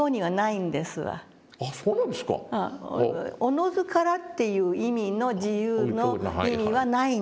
「自ずから」っていう意味の自由の意味はないんです。